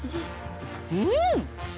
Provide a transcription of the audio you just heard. うん！